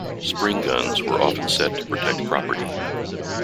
Spring-guns were often set to protect property.